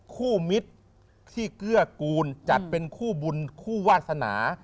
มิตรที่เกื้อกูลจัดเป็นคู่บุญคู่วาสนา